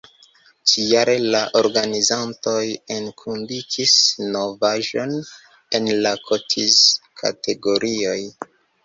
Ĉi-jare la organizantoj enkondukis novaĵon en la kotiz-kategorioj.